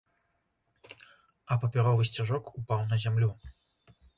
А папяровы сцяжок упаў на зямлю.